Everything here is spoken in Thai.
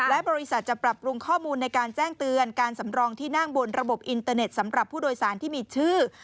และบริษัทจะปรับปรุงข้อมูลในการแจ้งเตือนการสำรองที่นั่งบนระบบอินเตอร์เน็ตสำหรับผู้โดยสารที่มีชื่อ